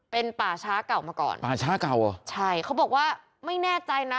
เป็นป่าช้าเก่ามาก่อนป่าช้าเก่าเหรอใช่เขาบอกว่าไม่แน่ใจนะ